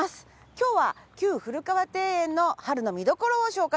今日は旧古河庭園の春の見どころを紹介します。